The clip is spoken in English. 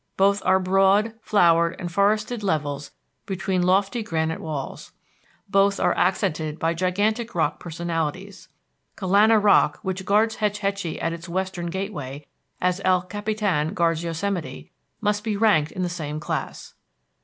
Both are broad, flowered and forested levels between lofty granite walls. Both are accented by gigantic rock personalities. Kolana Rock, which guards Hetch Hetchy at its western gateway as El Capitan guards Yosemite, must be ranked in the same class.